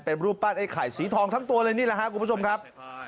เป็นรูปปั้นไอ้ไข่สีทองทั้งตัวเลยนี่แหละครับคุณผู้ชมครับ